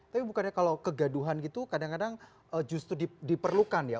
tapi bukannya kalau kegaduhan gitu kadang kadang justru diperlukan ya